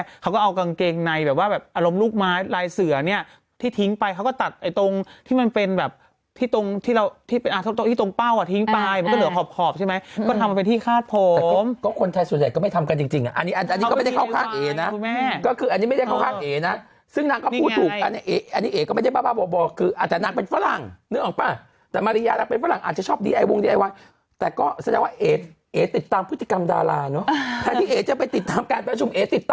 แม่เขาก็เอากางเกงในแบบว่าแบบอารมณ์ลูกไม้ลายเสือเนี่ยที่ทิ้งไปเขาก็ตัดไอ้ตรงที่มันเป็นแบบที่ตรงที่เราที่เป็นอาทิตย์ต้องที่ตรงเป้าอ่ะทิ้งไปมันก็เหลือขอบขอบใช่ไหมก็ทำไปที่คาดผมก็คนไทยส่วนใหญ่ก็ไม่ทำกันจริงจริงอ่ะอันนี้อันนี้ก็ไม่ได้เข้าข้างเอนะคุณแม่ก็คืออันนี้ไม่ได้เข้าข้างเอนะซึ